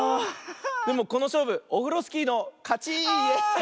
でもこのしょうぶオフロスキーのかち！イエー！